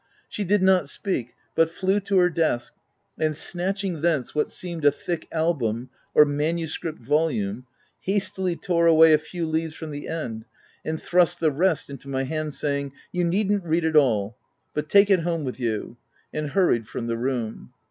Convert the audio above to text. She did not speak, but flew to her desk, and snatching thence what seemed a thick album or manuscript volume, hastily tore away a few leaves from the end, and thrust the rest into my hand, saying, " You needn't read it all ; but take it home with you,"— and hurried from the room.